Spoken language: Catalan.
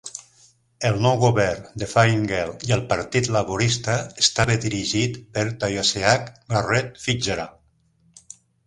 El nou govern de Fine Gael i el Partit Laborista estava dirigit per Taoiseach Garret FitzGerald.